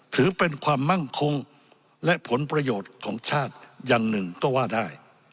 ถือเป็นความมั่งคงและผลประโยชน์ของชาติอย่างหนึ่งก็ว่าได้